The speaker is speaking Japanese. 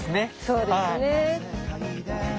そうですね。